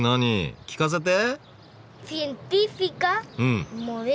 聞かせて？